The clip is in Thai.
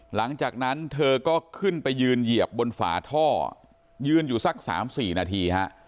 หลังจากนั้นเธอก็ขึ้นไปยืนเหยียบบนฝาท่อยืนอยู่สัก๓๔นาทีฮะ